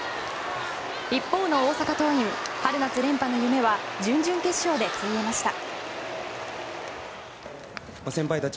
一方の大阪桐蔭、春夏連覇の夢は準々決勝でついえました。